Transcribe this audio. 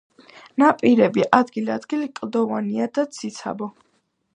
ნაპირები ადგილ-ადგილ კლდოვანია და ციცაბო.